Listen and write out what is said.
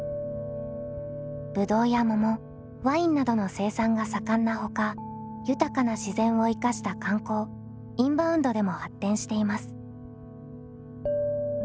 ぶどうや桃ワインなどの生産が盛んなほか豊かな自然を生かした観光インバウンドでも発展しています。